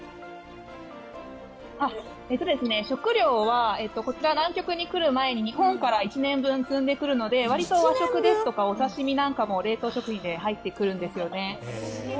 食料はこちら、南極に来る前に日本から１年分積んでくるのでわりと和食ですとかお刺し身なんかも冷凍食品で入ってくるんですよね。